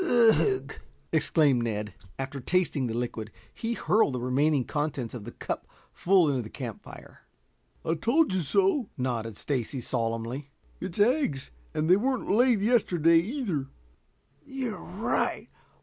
"Ugh!" exclaimed Ned, after tasting the liquid. He hurled the remaining contents of the cup full into the camp fire. "I told you so," nodded Stacy solemnly. "It's eggs and they weren't laid yesterday, either." "You're right.